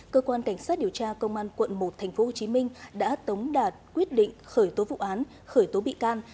cơ quan cảnh sát điều tra công an quận một tp hcm đã tống đạt quyết định khởi tố vụ án khởi tố bị can